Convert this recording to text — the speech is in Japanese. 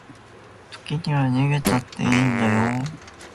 時には逃げたっていいんだよ